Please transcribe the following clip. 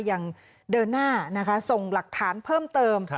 ยังเดินหน้านะคะส่งหลักฐานเพิ่มเติม